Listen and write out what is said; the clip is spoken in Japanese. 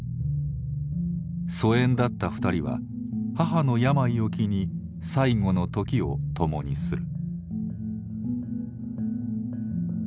疎遠だった２人は母の病を機に最後の時を共にする。